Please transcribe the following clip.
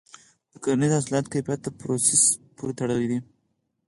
د کرنیزو حاصلاتو کیفیت د پروسس پورې تړلی دی.